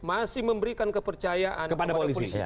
masih memberikan kepercayaan kepada polisi